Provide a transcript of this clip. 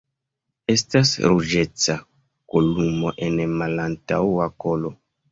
Estas ruĝeca kolumo en malantaŭa kolo.